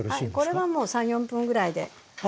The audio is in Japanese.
これはもう３４分ぐらいで。